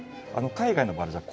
海外のバラじゃ